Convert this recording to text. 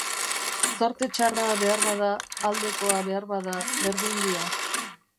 Zorte txarra beharbada, aldekoa beharbada, berdin dio.